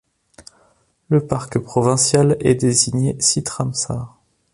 Le parc provincial est désigné site Ramsar.